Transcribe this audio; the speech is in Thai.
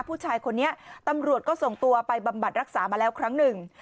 ผู้ชายคนนี้ตำรวจก็ส่งตัวไปบำบัดรักษามาแล้วครั้งหนึ่ง